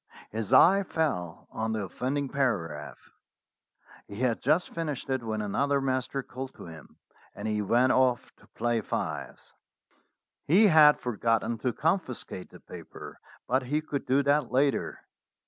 His eye fell on the of fending paragraph. He had just finished it when another master called to him, and he went off to play fives. He had forgotten to confiscate the paper, but he could do that later.